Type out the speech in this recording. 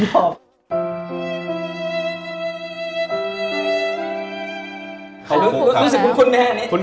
รู้สึกคุ้นแม่นิดนึง